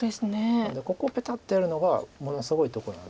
なのでここをペタッとやるのがものすごいとこなので。